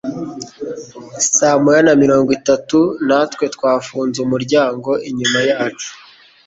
saa moya na mirongo itatu, natwe twafunze umuryango inyuma yacu